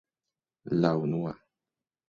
La unua...